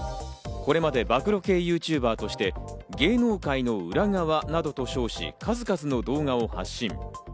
これまで暴露系ＹｏｕＴｕｂｅｒとして芸能界の裏側などと称し、数々の動画を発信。